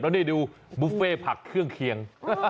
แล้วนี่ดูบุฟเฟ่ผักเครื่องเคียง